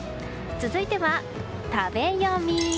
続いては食べヨミ。